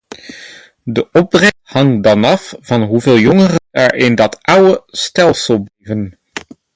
De opbrengst hangt dan af van hoeveel jongeren er in dat oude stelsel blijven.